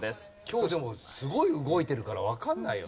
今日でもすごい動いてるからわからないよ。